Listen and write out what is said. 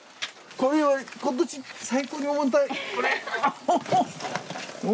これはことし最高に重たい。